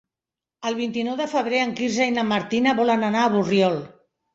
El vint-i-nou de febrer en Quirze i na Martina volen anar a Borriol.